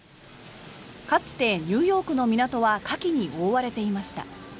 かつてニューヨークの港はカキに覆われていました。